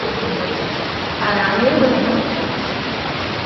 À l’arrière de la banque.